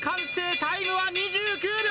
タイムは２９秒！